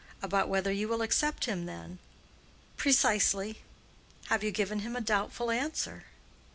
"About whether you will accept him, then?" "Precisely." "Have you given him a doubtful answer?"